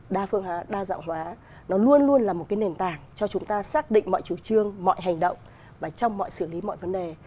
đa phương hóa đa dạng hóa nó luôn luôn là một cái nền tảng cho chúng ta xác định mọi chủ trương mọi hành động và trong mọi xử lý mọi vấn đề